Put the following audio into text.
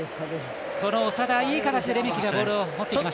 この長田、いい形でレメキがボールを持っていきました。